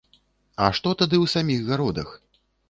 А што тады ў саміх гародах?